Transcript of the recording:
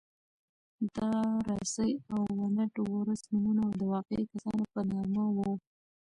دارسي او ونت وُرث نومونه د واقعي کسانو په نامه وو.